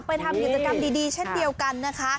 ไปทำกิจกรรมดีเช่นเดียวกันนะคะ